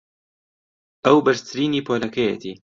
ئەو بەرزترینی پۆلەکەیەتی.